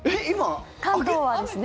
関東はですね。